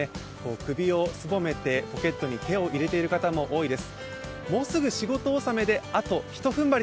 首をすぼめて、ポケットに手を入れている方も多いです。